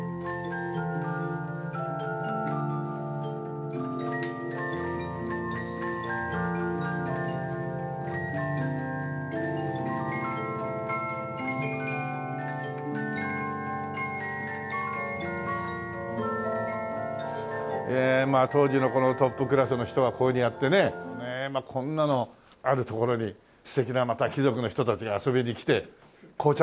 『時代』まあ当時のトップクラスの人はこういうふうにやってねねえこんなのある所に素敵なまた貴族の人たちが遊びに来て紅茶